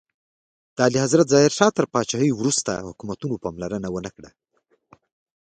د اعلیحضرت ظاهر شاه تر پاچاهۍ وروسته حکومتونو پاملرنه ونکړه.